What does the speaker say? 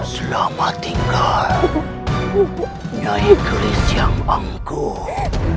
selamat tinggal nyai geris yang angkuh